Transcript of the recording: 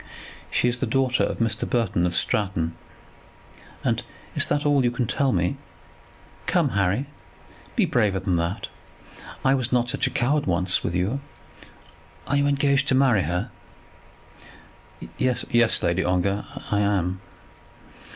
"She is the daughter of Mr. Burton of Stratton." "And is that all that you can tell me? Come, Harry, be braver than that. I was not such a coward once with you. Are you engaged to marry her?" "Yes, Lady Ongar, I am."